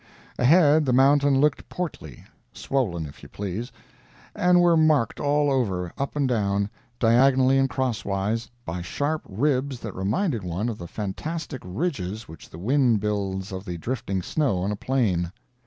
Ahead the mountains looked portly—swollen, if you please—and were marked all over, up and down, diagonally and crosswise, by sharp ribs that reminded one of the fantastic ridges which the wind builds of the drifting snow on a plain.